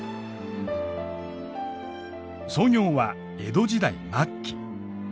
創業は江戸時代末期。